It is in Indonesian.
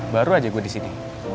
baru aja gue di sini